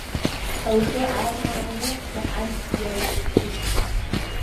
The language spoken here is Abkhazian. Лхы аарнааны Шьаҳан диаиҵаԥшит.